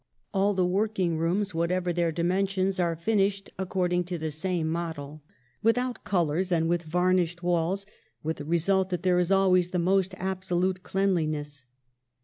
All the working rooms, whatever their dimen sions, are finished according to the same model, without colours, and with varnished walls, with the result that there is always the most abso lute cleanliness.